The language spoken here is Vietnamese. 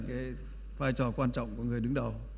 cái vai trò quan trọng của người đứng đầu